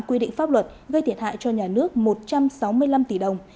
quy định pháp luật gây thiệt hại cho nhà nước một trăm sáu mươi năm tỷ đồng